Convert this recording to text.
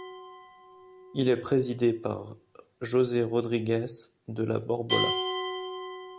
Il est présidé par José Rodríguez de la Borbolla.